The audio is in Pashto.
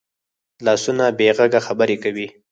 لاسونه بې غږه خبرې کوي